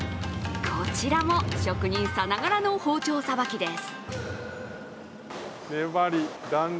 こちらも職人さながらの包丁さばきです。